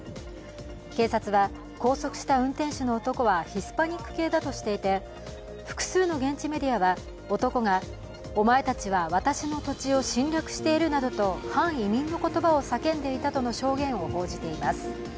警察は拘束した運転手の男はヒスパニック系だとしていて複数の現地メディアは男がお前たちは私の土地を侵略しているなどと反移民の言葉を叫んでいたとの証言を報じています。